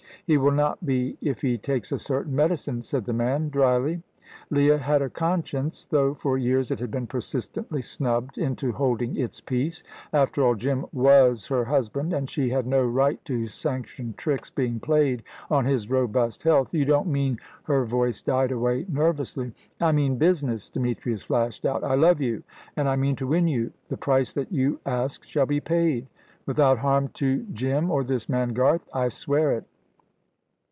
"He will not be if he takes a certain medicine," said the man, dryly. Leah had a conscience, though for years it had been persistently snubbed into holding its peace. After all, Jim was her husband, and she had no right to sanction tricks being played on his robust health. "You don't mean " Her voice died away nervously. "I mean business," Demetrius flashed out. "I love you, and I mean to win you. The price that you ask shall be paid." "Without harm to Jim or this man Garth?" "I swear it."